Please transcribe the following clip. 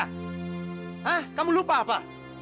hah kamu lupa apa